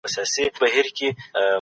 د مجلس واک څنګه زیات سو؟